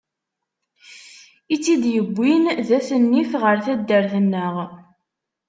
I tt-id-yewwin d at nnif ɣer taddart-nneɣ.